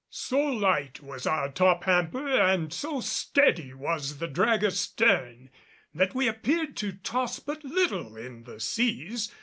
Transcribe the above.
So light was our top hamper and so steady was the drag astern that we appeared to toss but little in the seas.